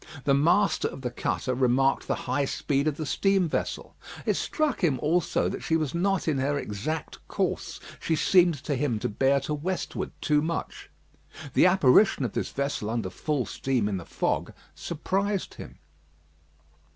The master of the cutter remarked the high speed of the steam vessel. It struck him also, that she was not in her exact course. She seemed to him to bear to westward too much. The apparition of this vessel under full steam in the fog surprised him.